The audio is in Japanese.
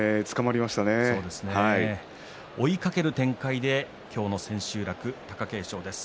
追いかける展開で今日の千秋楽、貴景勝です。